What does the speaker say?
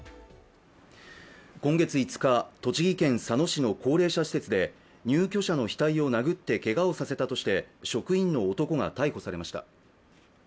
今月５日、栃木県佐野市の高齢者施設で入居者の額を殴ってけがをさせたとして職員の男が逮捕されました。